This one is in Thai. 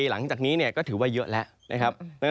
หลังจากนี้ก็ถือว่าเยอะแล้ว